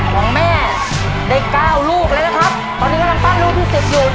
ของแม่ได้เก้าลูกแล้วนะครับตอนนี้กำลังปั้นลูกที่สิบอยู่